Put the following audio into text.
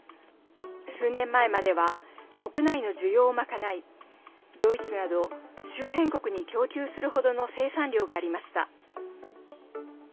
数年前までは国内の需要を賄いドイツなど、周辺国に供給するほどの生産量がありました。